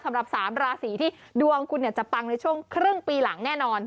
สำหรับ๓ราศีที่ดวงคุณจะปังในช่วงครึ่งปีหลังแน่นอน